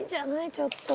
ちょっと。